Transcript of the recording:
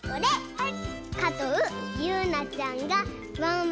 はい。